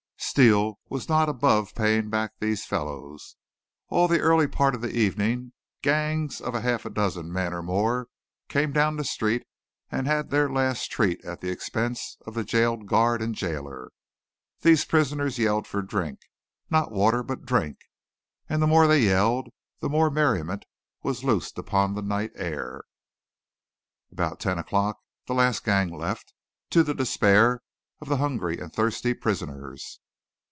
Steele was not above paying back these fellows. All the early part of the evening, gangs of half a dozen men or more came down the street and had their last treat at the expense of the jail guard and jailer. These prisoners yelled for drink not water but drink, and the more they yelled the more merriment was loosed upon the night air. About ten o'clock the last gang left, to the despair of the hungry and thirsty prisoners.